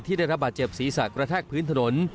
ได้รับบาดเจ็บศีรษะกระแทกพื้นถนน